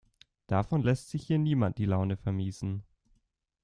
Davon lässt sich hier niemand die Laune vermiesen.